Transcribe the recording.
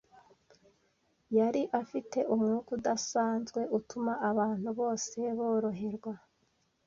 Yari afite umwuka udasanzwe utuma abantu bose boroherwa.